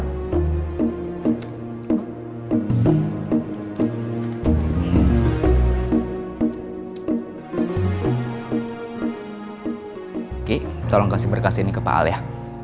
ki tolong kasih berkas ini ke pak al ya